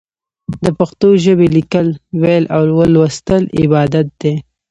د پښتو ژبې ليکل، ويل او ولوستل عبادت دی.